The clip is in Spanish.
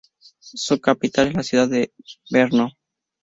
Su capital es la ciudad de Brno.